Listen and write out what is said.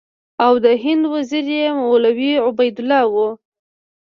او د هند وزیر یې مولوي عبیدالله و.